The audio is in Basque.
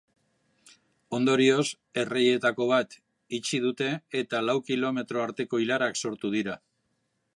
Ondorioz, erreietako bat itxi dute eta lau kilometro arteko ilarak sortu dira.